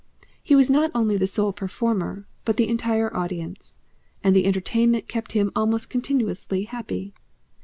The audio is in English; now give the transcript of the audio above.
He was not only the sole performer, but the entire audience, and the entertainment kept him almost continuously happy.